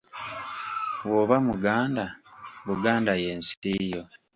"Bw’oba muganda, Buganda y’ensi yo."